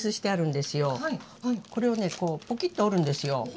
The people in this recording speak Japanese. これをねこうポキッと折るんですよ。